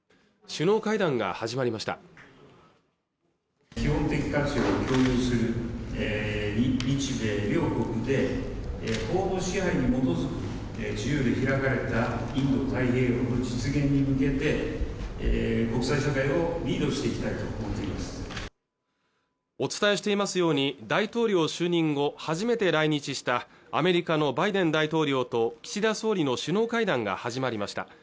首脳会談が始まりましたお伝えしていますように大統領就任後初めて来日したアメリカのバイデン大統領と岸田総理の首脳会談が始まりました